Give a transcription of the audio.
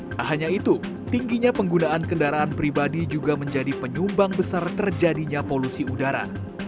tak hanya itu tingginya penggunaan kendaraan pribadi juga menjadi penyumbang besar terjadinya polusi udara